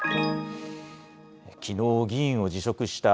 きのう、議員を辞職した